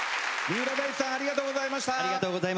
三浦大知さんありがとうございました。